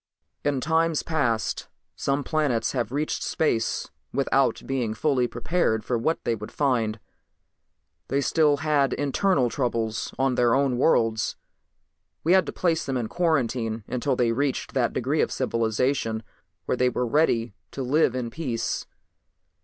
"In times past some planets have reached space without being fully prepared for what they would find. They still had internal troubles on their own worlds. We had to place them in quarantine until they reached that degree of civilization where they were ready to live in peace.